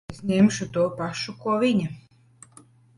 Es ņemšu to pašu, ko viņa.